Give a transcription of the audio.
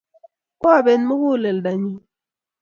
Kwabet muguleldo nyun